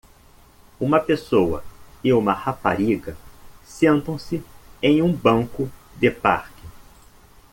Uma pessoa e uma rapariga sentam-se em um banco de parque.